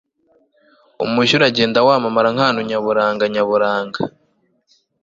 umujyi uragenda wamamara nkahantu nyaburanga nyaburanga